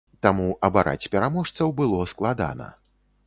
Таму абараць пераможцаў было складана.